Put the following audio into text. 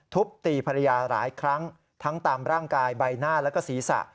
ทุบตีภรรยาหลายครั้งทั้งตามร่างกายใบหน้าแล้วก็ศีรษะ